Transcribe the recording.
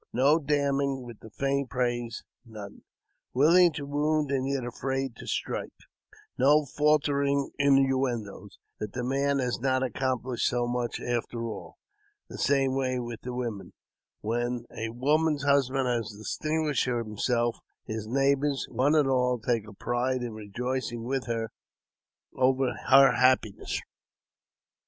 No damning^ with faint praise ; none " Willing to wound and yet afraid to strike ;" no faltering innuendoes that the man has not accomplishe so much, after all. The same way with the women. Whei a woman's husband has distinguished himself, her neighbours,' one and all, take a pride in rejoicing with her over her happi ness.